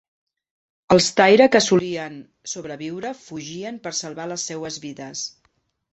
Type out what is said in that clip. Els Taira que assoliren sobreviure fugiren per a salvar les seues vides.